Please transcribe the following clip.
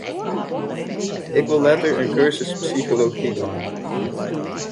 Ik wol letter in kursus psychology dwaan.